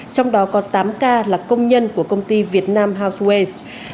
trong đó có tám ca là công nhân của công ty việt nam houseways